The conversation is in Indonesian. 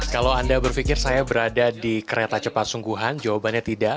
kalau anda berpikir saya berada di kereta cepat sungguhan jawabannya tidak